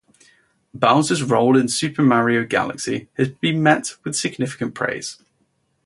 Bowser's role in "Super Mario Galaxy" has been met with significant praise.